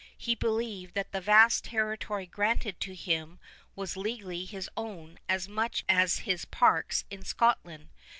He believed that the vast territory granted to him was legally his own as much as his parks in Scotland.